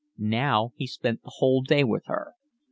Now he spent the whole day with her.